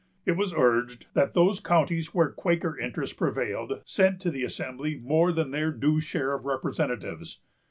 It was urged that those counties where the Quaker interest prevailed sent to the Assembly more than their due share of representatives.